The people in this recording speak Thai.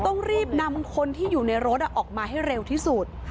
ต้องรีบนำคนที่อยู่ในรถออกมาให้เร็วที่สุด